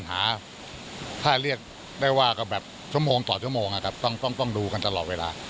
ได้ว่าก็แบบชั่วโมงต่อชั่วโมงต้องดูกันตลอดเวลา